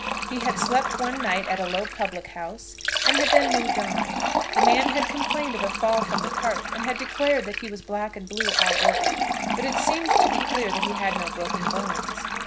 He had slept one night at a low public house, and had then moved on. The man had complained of a fall from the cart, and had declared that he was black and blue all over; but it seemed to be clear that he had no broken bones.